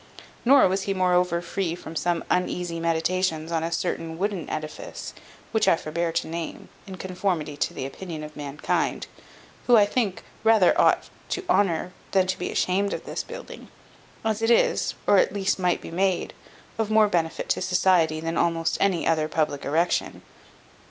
Nor was he moreover free from some uneasy meditations on a certain wooden edifice, which I forbear to name, in conformity to the opinion of mankind, who, I think, rather ought to honour than to be ashamed of this building, as it is, or at least might be made, of more benefit to society than almost any other public erection.